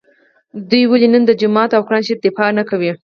دوی ولي نن د جومات او قران شریف دفاع نکوي